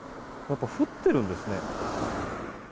やっぱり降っているんですね。